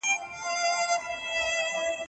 ځینې وختونه ښځې د ډاکټر مشورې ته اړتیا لري.